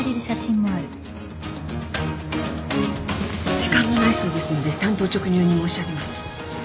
時間もないそうですので単刀直入に申し上げます。